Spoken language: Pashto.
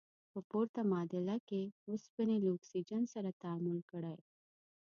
په پورته معادله کې اوسپنې له اکسیجن سره تعامل کړی.